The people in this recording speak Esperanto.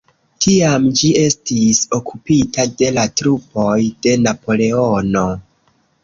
Tiam ĝi estis okupita de la trupoj de Napoleono.